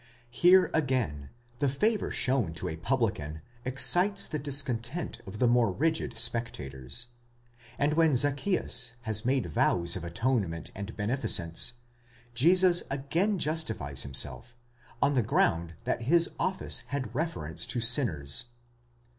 Here, again, the favour shown to a publican excites the discontent of the more rigid spectators ; and when Zacchzeus has made vows of atonement and beneficence, Jesus again justifies himself, on the ground that his office had reference to sinners.